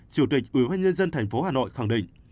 chủ tịch ubnd tp hà nội khẳng định